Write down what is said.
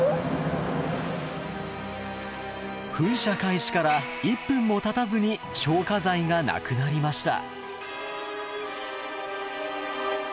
噴射開始から１分もたたずに消火剤がなくなりました。